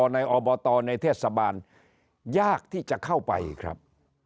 ในอบตในเทศบาลยากที่จะเข้าไปครับ